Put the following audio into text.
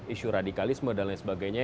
isu radikalisme dan lain sebagainya